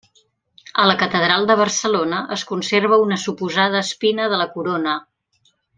A la Catedral de Barcelona es conserva una suposada espina de la corona.